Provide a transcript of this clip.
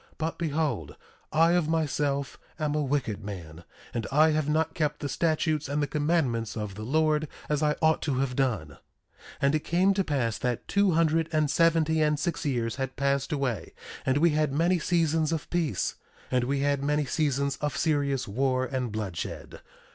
But behold, I of myself am a wicked man, and I have not kept the statutes and the commandments of the Lord as I ought to have done. 1:3 And it came to pass that two hundred and seventy and six years had passed away, and we had many seasons of peace; and we had many seasons of serious war and bloodshed.